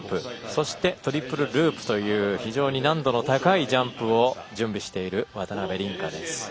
そして、トリプルループという非常に難度の高いジャンプを準備している渡辺倫果です。